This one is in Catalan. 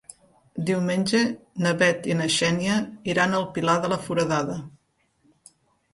Diumenge na Bet i na Xènia iran al Pilar de la Foradada.